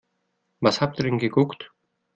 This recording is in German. Was habt ihr denn geguckt?